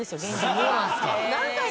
そうなんですね。